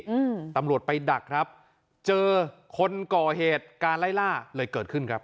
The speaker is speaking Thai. อืมตำรวจไปดักครับเจอคนก่อเหตุการไล่ล่าเลยเกิดขึ้นครับ